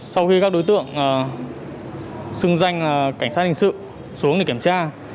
sau khi các đối tượng xưng danh là cảnh sát hình sự xuống để kiểm tra